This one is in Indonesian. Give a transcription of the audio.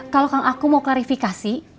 kalau kang aku mau klarifikasi